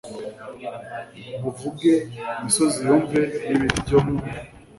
nkuvuge imisozi yumve, n'ibiti byo mu